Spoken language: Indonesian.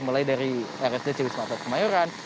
mulai dari rsdc wisma atlet kemayoran